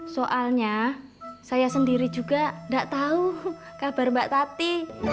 soalnya saya sendiri juga gak tau kabar mbak tati